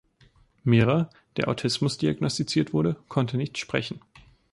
Mirra, der Autismus diagnostiziert wurde, konnte nicht sprechen.